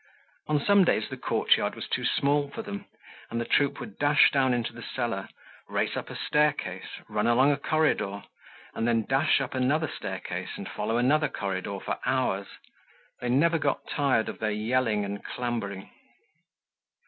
On some days the courtyard was too small for them and the troop would dash down into the cellar, race up a staircase, run along a corridor, then dash up another staircase and follow another corridor for hours. They never got tired of their yelling and clambering.